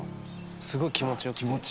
すごい気持ち良くて。